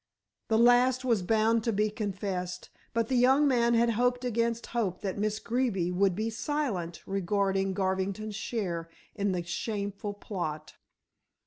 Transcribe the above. The last was bound to be confessed, but the young man had hoped against hope that Miss Greeby would be silent regarding Garvington's share in the shameful plot.